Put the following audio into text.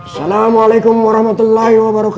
assalamualaikum warahmatullahi wabarakatuh